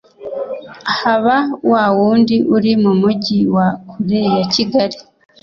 haba wa wundi uri mu mujyi wa kure ya Kigali